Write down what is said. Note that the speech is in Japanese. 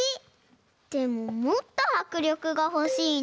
でももっとはくりょくがほしいな。